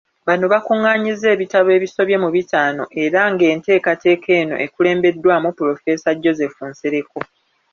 Bano bakung'anyizza ebitabo ebisobye mu bitaano era ng'enteekateeka eno ekulembeddwamu Pulofeesa Joseph Nsereko.